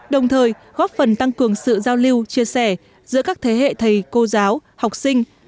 đồng thời góp phần tăng cường sự giao lưu chia sẻ giữa các thế hệ thầy cô giáo học sinh